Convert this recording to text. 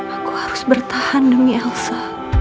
aku harus bertahan demi elsa